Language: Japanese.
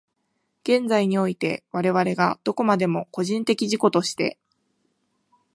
現在において、我々がどこまでも個人的自己として、